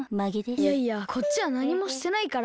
いやいやこっちはなにもしてないから。